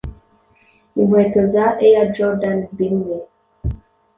Inkweto za ‘Air Jordan rimwe